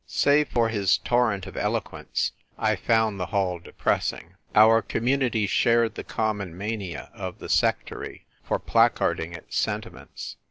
Save for his torrent of eloquence 1 found the hall depressing. Our Community shared the common mania of the sectary for placarding its sentiments.